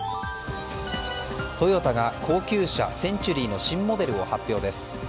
トヨタが高級車センチュリーの新モデルを発表です。